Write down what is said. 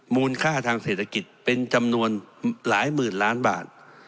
มูลค่าทางเศรษฐกิจเป็นจำนวนหลายหมื่นล้านบาท